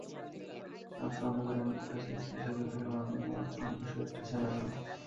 আবছা অন্ধকারে কাছে যেতেই সাইকেল থেকে নামা লম্বা শরীরটা চেনা গেল।